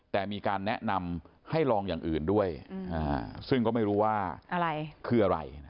แต่มีการแนะนำให้ลองอย่างอื่นด้วยซึ่งก็ไม่รู้ว่าคืออะไร